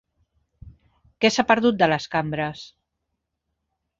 Què s'ha perdut de les cambres?